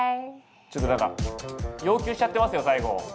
ちょっとなんか要求しちゃってますよ最後。